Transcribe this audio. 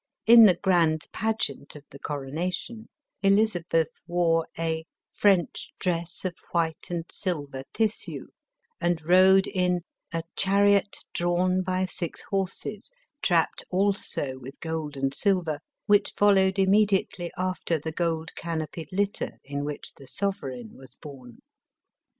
In the grand pageant of the coronation, Elizabeth wore a "French dress of white and silver tissue," and rode in " a chariot drawn by six horses, trapped also with gold and silver, which followed immediately after the gold canopied litter in which the sovereign was borne."